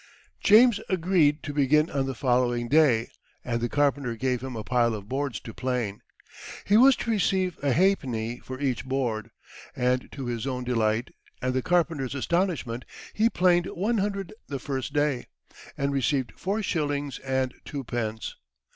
James agreed to begin on the following day, and the carpenter gave him a pile of boards to plane. He was to receive a halfpenny for each board; and to his own delight, and the carpenter's astonishment, he planed one hundred the first day, and received four shillings and twopence.